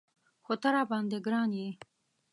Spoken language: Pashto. خو ته راباندې ګران یې.